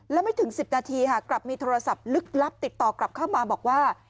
แล้วไม่ถึง๑๐นาทีค่ะกลับมีโทรศัพท์ลึกลับติดต่อกลับเข้ามาบอกว่า